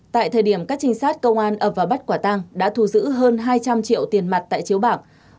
tại thời điểm các trinh sát công an ập vào bắt quả tăng đã thu giữ hơn hai trăm linh triệu tiền mặt tại chiếu bạc